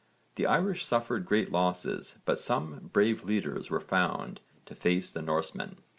The Irish suffered great losses but some brave leaders were found to face the Norsemen.